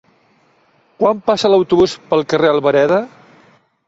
Quan passa l'autobús pel carrer Albareda?